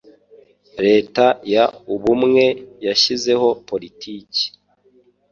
Leta y Ubumwe yashyizeho Politiki